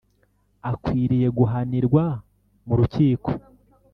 akwiriye guhanirwa mu rukiko